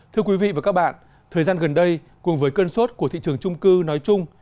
thưa quý vị và các bạn thời gian gần đây cùng với cơn sốt của thị trường trung cư nói chung